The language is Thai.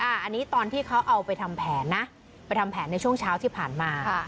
อันนี้ตอนที่เขาเอาไปทำแผนนะไปทำแผนในช่วงเช้าที่ผ่านมา